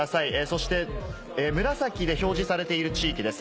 そして紫で表示されている地域です。